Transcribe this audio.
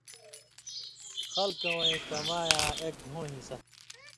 خلکہ وَیں کمائی یاں اک گھوں حصہ